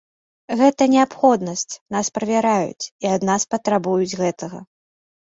Гэта неабходнасць, нас правяраюць, і ад нас патрабуюць гэтага.